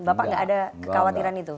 bapak nggak ada kekhawatiran itu